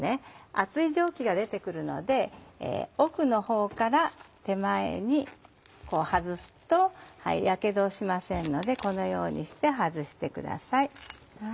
熱い蒸気が出てくるので奥の方から手前に外すとやけどをしませんのでこのようにして外してください。